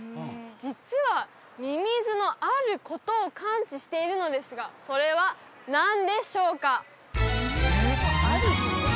実はミミズのあることを感知しているのですがそれは何でしょうか？